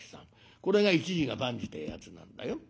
これが一事が万事ってえやつなんだよ。